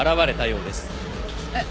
えっ？